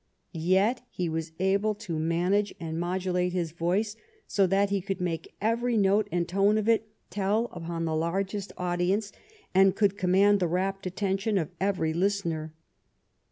Yet he was able to manage and modu late his voice so that he could make every note and tone of it tell upon the largest audience, and could com mand the rapt attention of every listener.